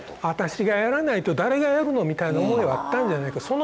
「私がやらないと誰がやるの」みたいな思いはあったんじゃないか。